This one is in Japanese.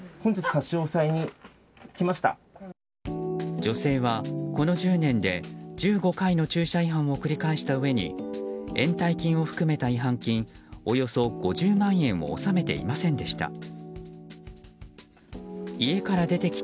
女性は、この１０年で１５回の駐車違反を繰り返したうえに延滞金を含めた違反金およそ５０万円を納めていませんでした。